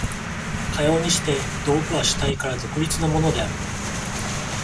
かようにして道具は主体から独立なものである。